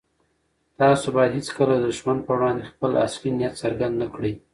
تاسو بايد هيڅکله د دښمن په وړاندې خپل اصلي نيت څرګند نه کړئ.